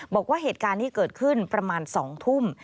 บอกว่าเหตุการณ์ที่เกิดขึ้นประมาณ๒ทุ่ม